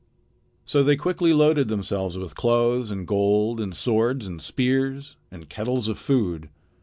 So they quickly loaded themselves with clothes and gold and swords and spears and kettles of food.